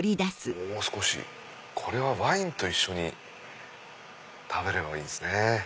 これはワインと一緒に食べればいいんですね。